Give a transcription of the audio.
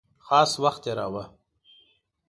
خاص وخت تېراوه.